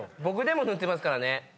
僕でも塗ってますからね。